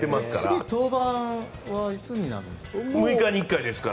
次、登板はいつになるんですか？